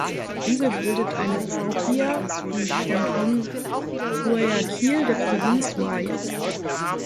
Die Insel bildet eine Parroquia im Kanton Guayaquil der Provinz Guayas.